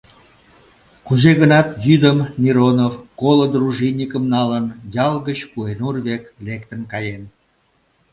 Кузе-гынат йӱдым Миронов, коло дружинникым налын, ял гыч Куэнур век лектын каен.